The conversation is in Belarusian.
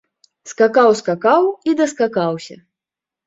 Скакаў, скакаў і даскакаўся.